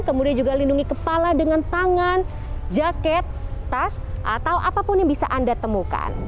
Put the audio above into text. kemudian juga lindungi kepala dengan tangan jaket tas atau apapun yang bisa anda temukan